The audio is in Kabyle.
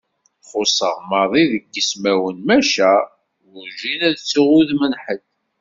Xuṣṣeɣ maḍi deg ismawen, maca werǧin ad ttuɣ udem n ḥedd.